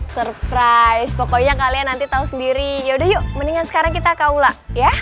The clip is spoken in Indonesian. surprise pokoknya kalian nanti tahu sendiri yaudah yuk mendingan sekarang kita kaula ya